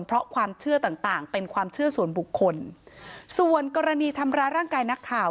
เพราะความเชื่อต่างต่างเป็นความเชื่อส่วนบุคคลส่วนกรณีทำร้ายร่างกายนักข่าว